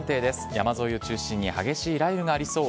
山沿いを中心に激しい雷雨がありそう。